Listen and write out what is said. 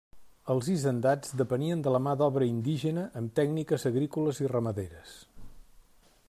Els hisendats depenien de la mà d'obra indígena amb tècniques agrícoles i ramaderes.